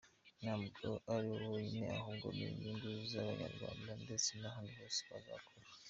Ntabwo ari bo bonyine ahubwo, ni inyungu z’Abanyarwanda ndetse n’ahandi hose bazakora.